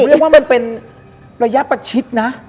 เรียกว่ามันเป็นระยะประชิดนะ